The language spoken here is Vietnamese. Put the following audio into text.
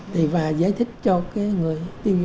thì và giải thích cho cái người